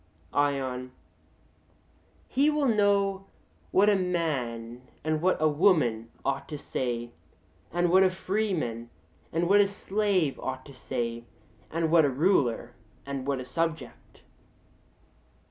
ION: He will know what a man and what a woman ought to say, and what a freeman and what a slave ought to say, and what a ruler and what a subject.